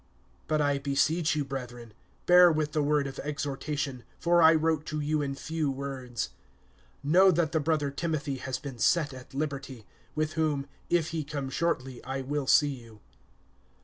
(22)But I beseech you, brethren, bear with the word of exhortation; for I wrote to you in few words. (23)Know that the brother, Timothy, has been set at liberty; with whom, if he come shortly, I will see you.